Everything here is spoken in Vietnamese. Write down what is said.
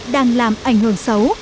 đang làm ảnh hưởng xấu